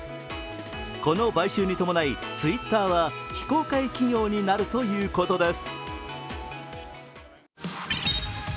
この買収に伴い、ツイッターは非公開企業になるということです。